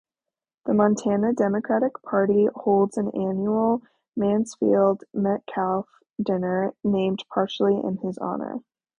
The Montana Democratic Party holds an annual Mansfield-Metcalf Dinner named partially in his honor.